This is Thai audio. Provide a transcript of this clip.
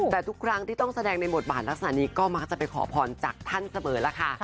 แต่ทุกครั้งที่ต้องแสดงในบทบาทลักษณะนี้ก็มักจะไปขอพรจากท่านเสมอแล้วค่ะ